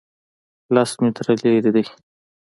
لس متره لرې دی